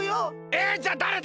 えじゃあだれだ？